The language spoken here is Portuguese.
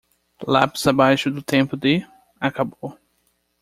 Lápis abaixo do tempo de? acabou.